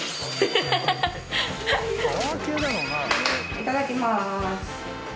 ・いただきます。